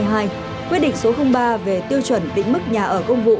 trong đó quy định cụ thể diện tích định mức nhà công vụ